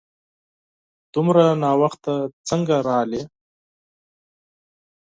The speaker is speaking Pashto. دومره ناوخته څنګه راغلې ؟